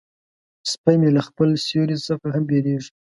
سپي مې له خپل سیوري څخه هم بیریږي.